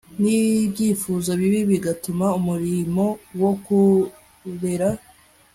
nibyifuzo bibi bigatuma umurimo wo kurera